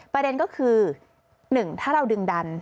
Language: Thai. ประเด็นก็คือ๑ถ้าเราดึงดัน